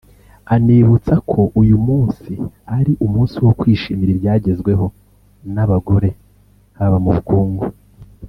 anibutsa ko uyu munsi ari umunsi wo kwishimira ibyagezweho n’abagore haba mu bukungu